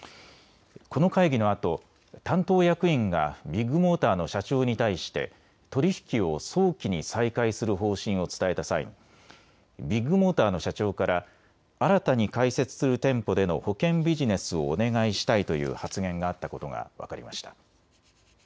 この会議のあと、担当役員がビッグモーターの社長に対して取り引きを早期に再開する方針を伝えた際にビッグモーターの社長から新たに開設する店舗での保険ビジネスをお願いしたいという発言があったことが分かりました。